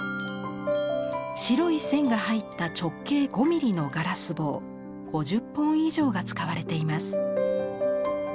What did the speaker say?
白い線が入った直径５ミリのガラス棒５０本以上が使われています。